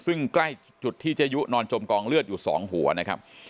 ซึ่งใกล้จุดที่เจยุนอนจมกองเลือดอยู่๒หัวนะครับ